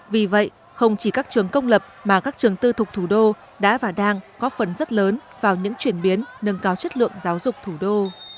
vì vậy không chỉ các trường công lập mà các trường tư thuộc thủ đô đã và đang có phần rất lớn vào những chuyển biến nâng cao chất lượng giáo dục thủ đô